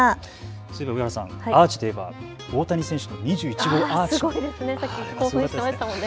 そういえば上原さん、アーチといえば大谷選手２１号ホームラン、打ちましたね。